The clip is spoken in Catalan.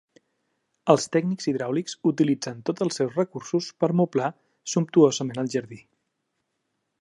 Els tècnics hidràulics utilitzen tots els seus recursos per moblar sumptuosament el jardí.